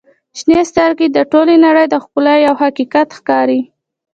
• شنې سترګې د ټولې نړۍ د ښکلا یوه حقیقت ښکاري.